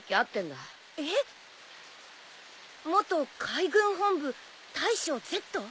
元海軍本部大将Ｚ。